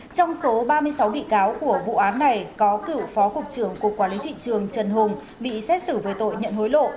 trong số ba mươi sáu bị cáo của vụ án này có cựu phó cục trưởng cục quản lý thị trường trần hùng bị xét xử về tội nhận hối lộ